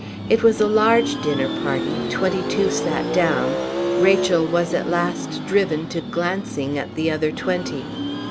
It was a large dinner party; twenty two sat down. Rachel was at last driven to glancing at the other twenty.